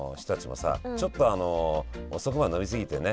ちょっと遅くまで飲み過ぎてね